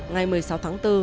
ngày một mươi sáu tháng bốn